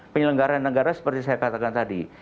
penyelenggaraan negara seperti saya katakan tadi